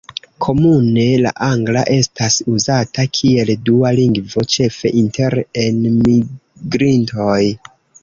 Komune, la angla estas uzata kiel dua lingvo, ĉefe inter enmigrintoj.